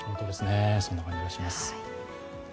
そんな感じがします。